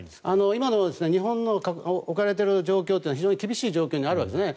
今の日本の置かれている状況は厳しい状況にあるわけですね。